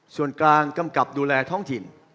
ส่วนกลางกำกับดูแลท้องถิ่น